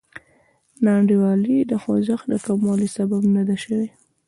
ناانډولي د خوځښت د کموالي سبب نه ده شوې.